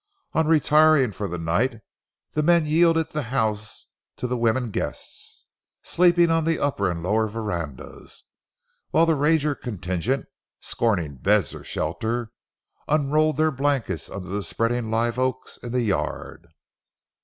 On retiring for the night, the men yielded the house to the women guests, sleeping on the upper and lower verandas, while the ranger contingent, scorning beds or shelter, unrolled their blankets under the spreading live oaks in the yard.